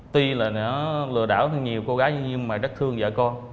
tuy là nó lừa đảo thêm nhiều cô gái nhưng mà rất thương vợ con